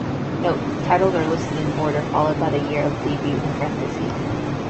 "Note": Titles are listed in order followed by the year of debut in parentheses.